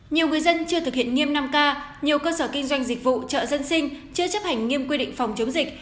nhiều người dân chưa thực hiện nghiêm năm k nhiều cơ sở kinh doanh dịch vụ chợ dân sinh chưa chấp hành nghiêm quy định phòng chống dịch